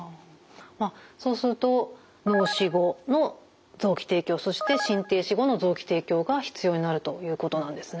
まあそうすると脳死後の臓器提供そして心停止後の臓器提供が必要になるということなんですね。